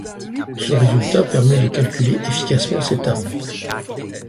Ce résultat permet de calculer efficacement cet arbre.